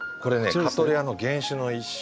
カトレアの原種の一種。